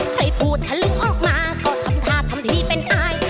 ใครพูดทะลึงออกมาก็ทำท่าทำทีเป็นอาย